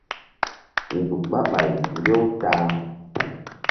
Nzukri ɓah ɓay mbew mbew.